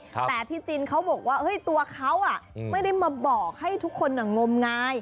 แต่พี่จินเขาบอกว่าตัวเขาไม่ได้มาบอกให้ทุกคนงมงาย